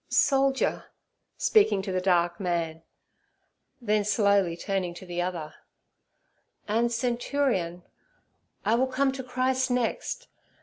'Soldier'—speaking to the dark man, then slowly turning to the other—'and centurion, I will come to Christ next.